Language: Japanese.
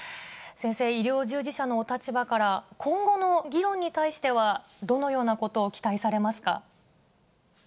先生、医療従事者のお立場から、今後の議論に対してはどのようなことを期待されますか。